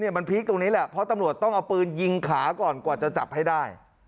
มันพีคตรงนี้แหละเพราะตำรวจต้องเอาปืนยิงขาก่อนกว่าจะจับให้ได้